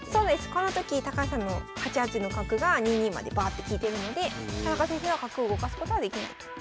この時高橋さんの８八の角が２二までバーッて利いてるので田中先生は角を動かすことはできないと。